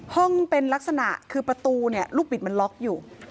ห้องเป็นลักษณะคือประตูเนี่ยลูกบิดมันล็อกอยู่